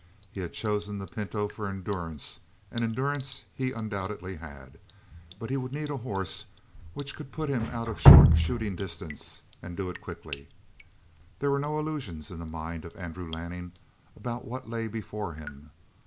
He had chosen the pinto for endurance, and endurance he undoubtedly had; but he would need a horse which could put him out of short shooting distance, and do it quickly. There were no illusions in the mind of Andrew Lanning about what lay before him.